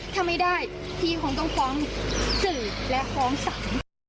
ถ้าไม่ได้พี่คงต้องฟ้องสื่อและฟ้องศาล